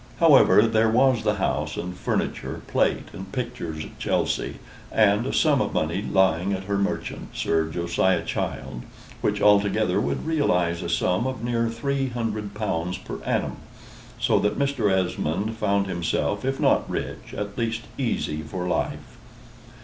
However, there was the house and furniture, plate and pictures at Chelsey, and a sum of money lying at her merchant's, Sir Josiah Child, which altogether would realize a sum of near three hundred pounds per annum, so that Mr. Esmond found himself, if not rich, at least easy for life.